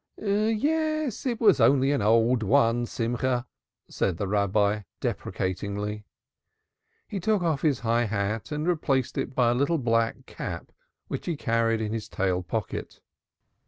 "Yes, it was only an old one, Simcha," said the Rabbi deprecatingly. He took off his high hat and replaced it by a little black cap which he carried in his tail pocket.